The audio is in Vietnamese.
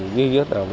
như vậy đó